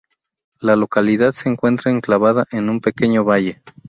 La localidad se encuentra enclavada en un pequeño valle.